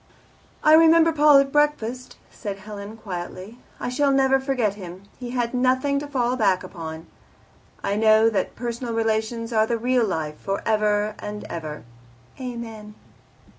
"I remember Paul at breakfast," said Helen quietly. "I shall never forget him. He had nothing to fall back upon. I know that personal relations are the real life, for ever and ever. "Amen!"